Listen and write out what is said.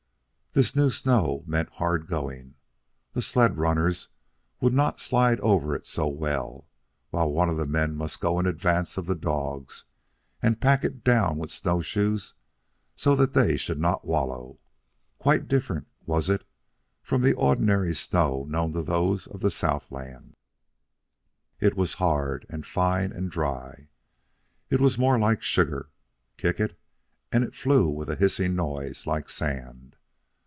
This new snow meant hard going. The sled runners would not slide over it so well, while one of the men must go in advance of the dogs and pack it down with snowshoes so that they should not wallow. Quite different was it from the ordinary snow known to those of the Southland. It was hard, and fine, and dry. It was more like sugar. Kick it, and it flew with a hissing noise like sand.